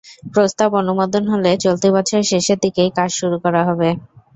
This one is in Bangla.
প্রস্তাব অনুমোদন হলে চলতি বছরের শেষের দিকেই কাজ শুরু করা হবে।